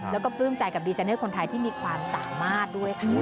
แล้วก็ปลื้มใจกับดีเจเนอร์คนไทยที่มีความสามารถด้วยค่ะ